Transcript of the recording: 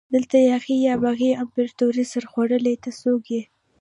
دلته یاغي باغي امپراتوري سرخوړلي ته څوک يي؟